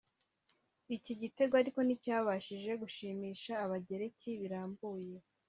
Iki gitego ariko nti cyabashije gushimisha Abagereki birambuye